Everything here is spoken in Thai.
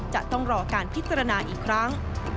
จะต้องรอการพิจารณาอีกครั้ง